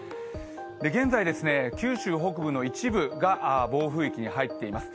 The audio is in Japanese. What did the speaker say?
現在、九州北部の一部が暴風域に入っています。